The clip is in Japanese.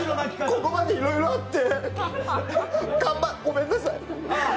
ここまでいろいろあって頑張っごめんなさい。